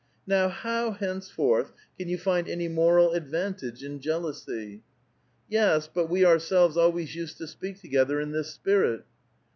*' Now, how, henceforth, can you find any moral advan tage in jealousy?" " Yes, but we ourselves always used to speak together in this spirit."